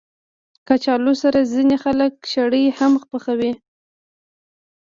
کچالو سره ځینې خلک شړې هم پخوي